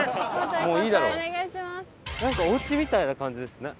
なんかおうちみたいな感じですね。